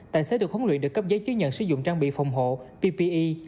tài xế được huấn luyện được cấp giấy chứng nhận sử dụng trang bị phòng hộ ppe